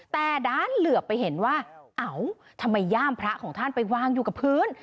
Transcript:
แต่ด้านเหลือไปเห็นว่าเอ้าทำไมย่ามพระของท่านไปวางอยู่กับพื้น